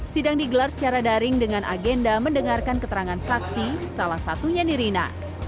sidang digelar secara daring dengan agenda mendengarkan keterangan saksi salah satunya nirina